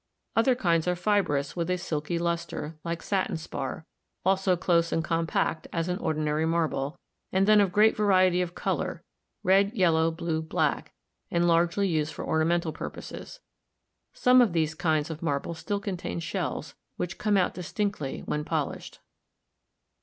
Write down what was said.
Other kinds are fibrous with a silky luster, like satin spar ; also close and compact, as in ordinary marble, and then of great variety of color, red, yellow, blue, black, and largely used for ornamental purposes. Some of these kinds of marble still contain shells, which come out distinctly when polished.